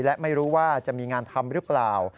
และไม่รู้ว่าจะมีงานทำหรือเปล่า